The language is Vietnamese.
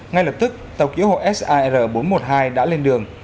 ngay lập tức tàu cứu hộ sir bốn trăm một mươi hai đã lên đường